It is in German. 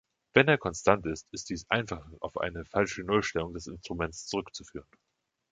Wenn er konstant ist, ist dies einfach auf eine falsche Nullstellung des Instruments zurückzuführen.